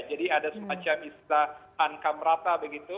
jadi ada semacam istana angka merata begitu